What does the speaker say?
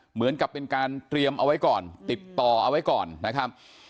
เหมือนกับเป็นการเตรียมเอาไว้ก่อนติดต่อเอาไว้ก่อนนะครับ